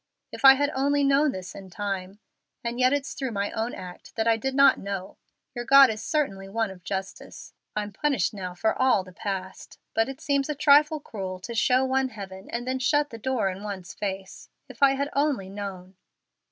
If I had only known this in time. And yet it's through my own act that I did not know. Your God is certainly one of justice. I'm punished now for all the past. But it seems a trifle cruel to show one heaven and then shut the door in one's face. If I had only known!"